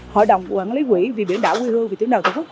hội đồng quản lý quỹ vì biển đảo quy hương vì tướng đảo tổ quốc